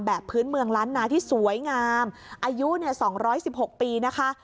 พื้นเมืองล้านนาที่สวยงามอายุ๒๑๖ปีนะคะ